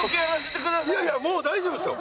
いやいやもう大丈夫ですよ